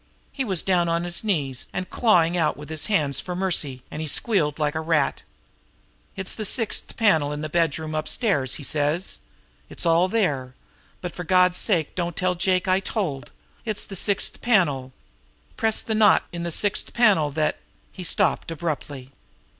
"He was down on his knees and clawing out with his hands for mercy, and he squealed like a rat. 'It's the sixth panel in the bedroom upstairs,' he says; 'it's all there. But for God's sake don't tell Jake I told. It's the sixth panel. Press the knot in the sixth panel that '" He stopped abruptly.